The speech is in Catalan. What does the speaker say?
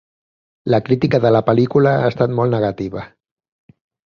La crítica de la pel·lícula ha estat molt negativa.